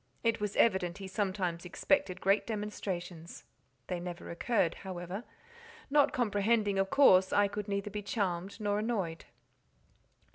It was evident he sometimes expected great demonstrations; they never occurred, however; not comprehending, of course I could neither be charmed nor annoyed.